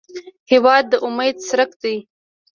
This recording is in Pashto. هېواد د امید څرک دی.